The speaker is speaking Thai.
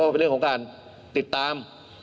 เป็นเรื่องของการติดตาม